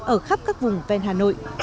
ở khắp các vùng ven hà nội